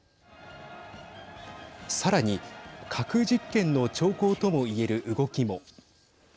さらに核実験の兆候ともいえる動きも。